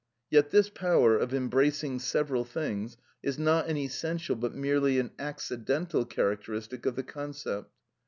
Yet this power of embracing several things is not an essential but merely an accidental characteristic of the concept.